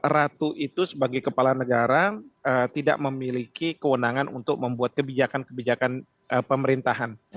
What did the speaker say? ratu itu sebagai kepala negara tidak memiliki kewenangan untuk membuat kebijakan kebijakan pemerintahan